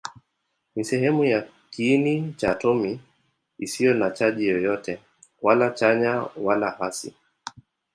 Ni sehemu ya kiini cha atomi isiyo na chaji yoyote, wala chanya wala hasi.